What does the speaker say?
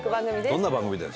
どんな番組だよ！